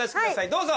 どうぞ。